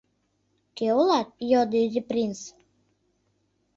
— Кӧ улат? — йодо Изи принц.